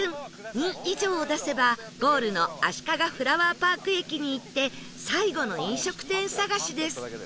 「２」以上を出せばゴールのあしかがフラワーパーク駅に行って最後の飲食店探しです